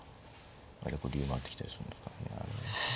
竜回ってきたりするんですか。